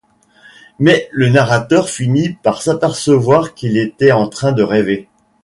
Mais le narrateur finit par s'apercevoir qu'il était en train de rêver.